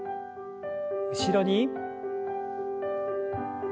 後ろに。